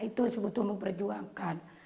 itu sebutuhmu perjuangkan